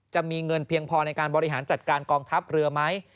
จะมีเงินเพียงพอในการบริหารจัดการกองทัพเรือไหม